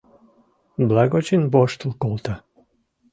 Благочин воштыл колта: